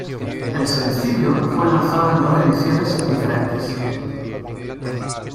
El sencillo fue lanzado en dos ediciones diferentes.